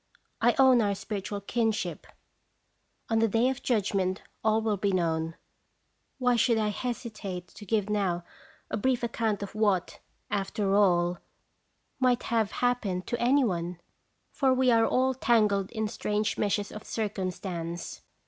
I own our spiritual kinship. On the Day of Judg ment all will be known ; why should I hesitate to give now a brief account of what, after all, 283 284 "&re tlje might have happened to any one ? For we are all tangled in strange meshes of circumstance.